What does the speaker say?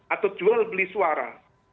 atau jual beli suara